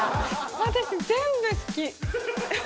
私、全部好き。